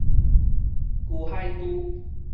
龜海豬